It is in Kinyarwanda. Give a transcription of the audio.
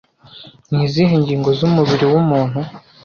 Ni izihe ngingo z'umubiri w'umuntu